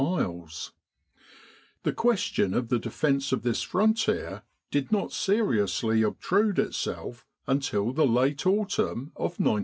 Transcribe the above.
in Egypt The question of the defence of this frontier did not seriously obtrude itself until the late autumn of 1915.